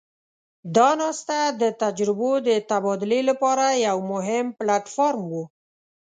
دا ناسته د تجربو د تبادلې لپاره یو مهم پلټ فارم وو.